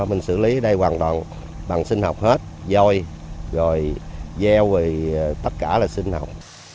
mình xử lý đây hoàn toàn bằng sinh học hết dôi rồi gieo rồi tất cả là sinh học